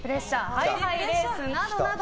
ハイハイレースなどなど。